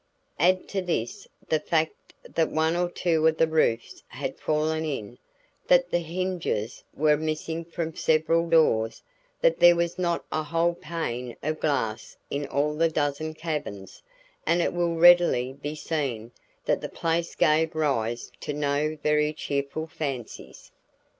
Add to this the fact that one or two of the roofs had fallen in, that the hinges were missing from several doors, that there was not a whole pane of glass in all the dozen cabins, and it will readily be seen that the place gave rise to no very cheerful fancies.